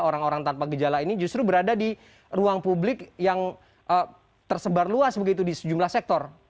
orang orang tanpa gejala ini justru berada di ruang publik yang tersebar luas begitu di sejumlah sektor